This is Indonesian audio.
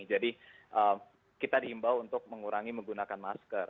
jadi kita diimbau untuk mengurangi menggunakan masker